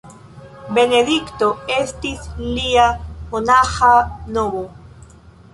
Benedikto estis lia monaĥa nomo.